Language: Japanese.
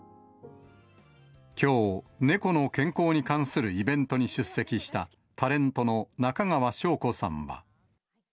きょう、猫の健康に関するイベントに出席した、タレントの中川翔子さんは。